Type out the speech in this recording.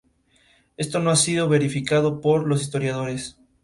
Esto no ha sido verificado por los historiadores.